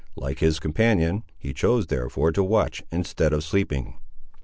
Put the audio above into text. Like his companion he chose therefore to watch, instead of sleeping.